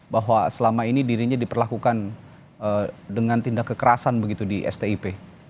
bahwa selama ini dirinya diperlakukan dengan tindak kekerasan begitu di stip